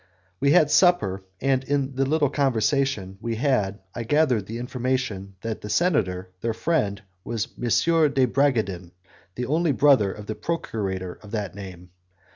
We had supper, and in the little conversation we had I gathered the information that the senator, their friend, was M. de Bragadin, the only brother of the procurator of that name.